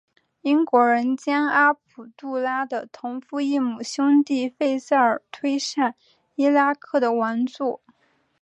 英国人将阿卜杜拉的同父异母兄弟费萨尔推上伊拉克的王座。